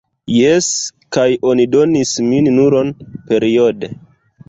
Jes, kaj oni donis min nulon periode